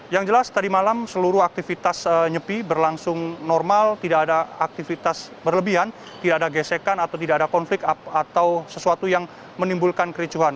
yang jelas tadi malam seluruh aktivitas nyepi berlangsung normal tidak ada aktivitas berlebihan tidak ada gesekan atau tidak ada konflik atau sesuatu yang menimbulkan kericuhan